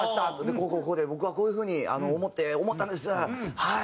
「こうこうこうで僕はこういう風に思って思ったんですはい」。